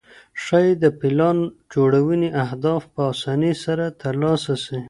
ښايي د پلان جوړوني اهداف په اسانۍ سره ترلاسه سي.